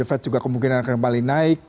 kemudian juga kemungkinan rekening paling naik